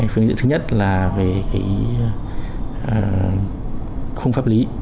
phương diện thứ nhất là về khung pháp lý